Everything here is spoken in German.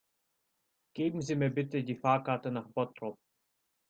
Geben Sie mir bitte die Fahrkarte nach Bottrop